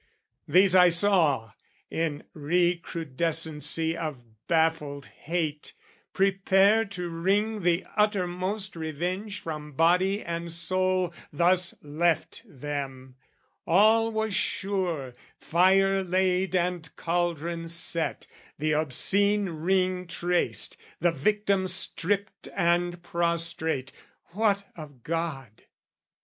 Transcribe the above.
These I saw, In recrudescency of baffled hate, Prepare to wring the uttermost revenge From body and soul thus left them: all was sure, Fire laid and cauldron set, the obscene ring traced, The victim stripped and prostrate: what of God?